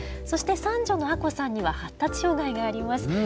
そして三女の亜子さんには発達障害があります。